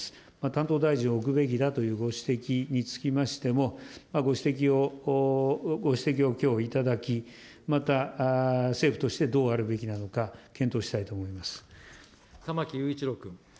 担当大臣を置くべきだというご指摘につきましても、ご指摘をきょう頂き、また政府としてどうあるべきなのか、玉木雄一郎君。